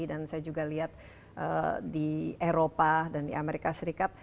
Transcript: dan saya juga lihat di eropa dan amerika serikat